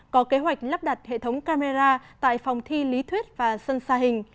có kế hoạch lắp đặt hệ thống camera tại phòng thi lý thuyết và sân xa hình